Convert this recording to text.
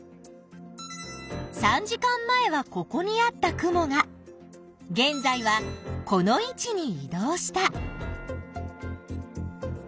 ３時間前はここにあった雲が現在はこの位置にい動した。